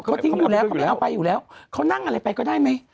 เขาไม่เอาไปอยู่แล้วเขานั่งอะไรไปก็ได้ไหม